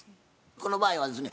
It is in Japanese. この場合はですね